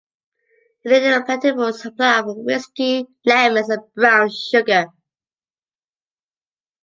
He laid in a plentiful supply of whisky, lemons, and brown sugar.